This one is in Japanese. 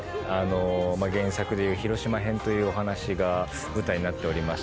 原作でいう広島編というお話が舞台になっておりまして。